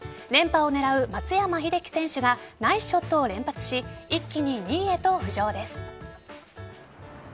連覇を狙う松山英樹選手がナイスショットを連発し一気に２位へと浮上です。